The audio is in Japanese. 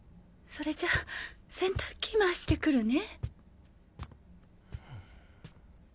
それじゃ洗濯機回してくるね。